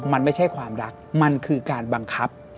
มันไม่ใช่ความรักมันคือการบังคับ